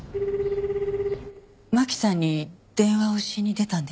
真輝さんに電話をしに出たんです。